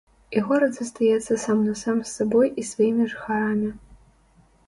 І горад застаецца сам-насам з сабой і сваімі жыхарамі.